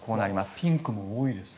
ピンクも多いですね。